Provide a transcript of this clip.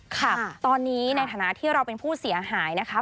ค่ะตอนนี้ในฐานะที่เราเป็นผู้เสียหายนะคะ